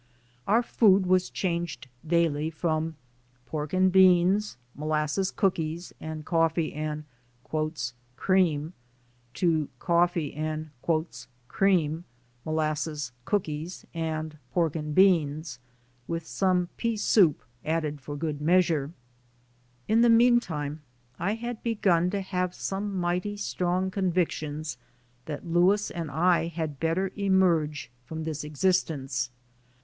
Our food was changed daily from pork and beans, molasses cookies and coffee and "cream" to coffee and "cream," molasses cookies and pork and beans, with some pea soup added for good measure. In the meantime, I had begun to nave some mighty strong convictions that Louis and I had better emerge from this existence.